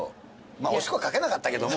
まあおしっこは掛けなかったけども。